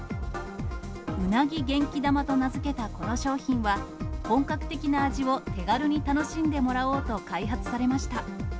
うなぎ元気玉と名付けたこの商品は、本格的な味を手軽に楽しんでもらおうと開発されました。